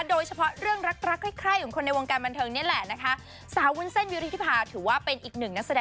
โดยเฉพาะเรื่องลัก